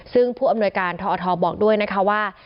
ซึ่งผู้อำนวยการทอทบอกด้วยนะคะว่า